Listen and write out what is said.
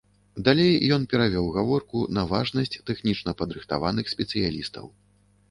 Далей ён перавёў гаворку на важнасць тэхнічна падрыхтаваных спецыялістаў.